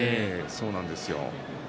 そうなんですよ。